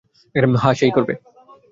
হ্যাঁ, সেই করবে।